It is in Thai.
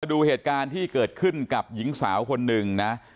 ดูเหตุการณ์ที่เกิดขึ้นกับหญิงสาวคนหนึ่งนะ